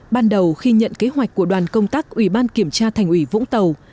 ban đầu khi nhận kế hoạch của đoàn công tác ủy ban kiểm tra thành ủy vũng tàu